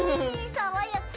爽やか。